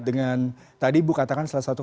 dengan tadi ibu katakan salah satu